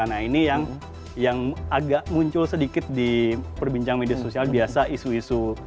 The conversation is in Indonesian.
nah ini yang agak muncul sedikit di perbincang media sosial biasa isu isu